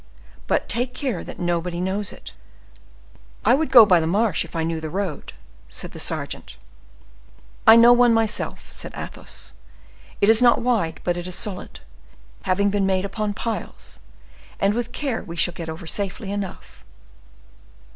But take care that nobody knows it." "I would go by the marsh if I knew the road," said the sergeant. "I know one myself," said Athos; "it is not wide, but it is solid, having been made upon piles; and with care we shall get over safely enough."